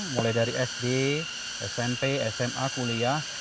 mulai dari sd smp sma kuliah